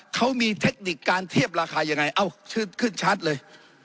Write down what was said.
เขามีเทคนิคการเทียบราคาอย่างไรขึ้นชาร์จเลย